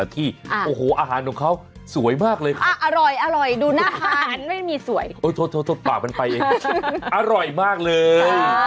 โอ้โหโทษปากมันไปเองอร่อยมากเลย